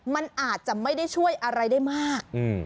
มันอาจจะไม่ได้ช่วยอะไรได้มาก